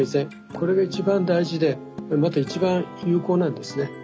これが一番大事でまた一番有効なんですね。